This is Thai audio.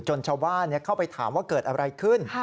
ชาวบ้านเข้าไปถามว่าเกิดอะไรขึ้น